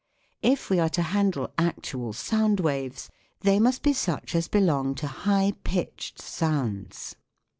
If we are to handle actual sound waves, they must be such as belong to high pitched sounds.